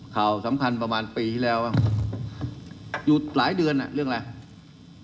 ข่าวสำคัญประมาณปีที่แล้วอยู่หลายเดือนอ่ะเรื่องอะไร